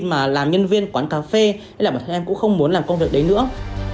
khi mà làm nhân viên quán cà phê bản thân em cũng không muốn làm công việc đấy nữa